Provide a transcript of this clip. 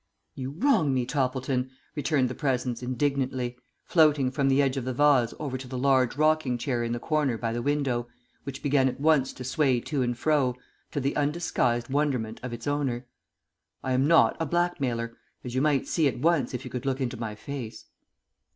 "You wrong me, Toppleton," returned the Presence, indignantly, floating from the edge of the vase over to the large rocking chair in the corner by the window, which began at once to sway to and fro, to the undisguised wonderment of its owner. "I am not a blackmailer, as you might see at once if you could look into my face."